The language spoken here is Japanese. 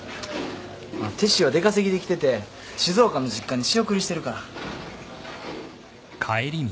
あっテッシーは出稼ぎで来てて静岡の実家に仕送りしてるから。